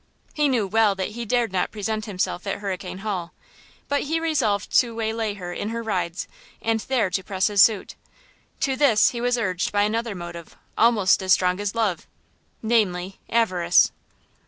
He knew well that he dared not present himself at Hurricane Hall, but he resolved to waylay her in her rides and there to press his suit. To this he was urged by another motive almost as strong as love–namely, avarice.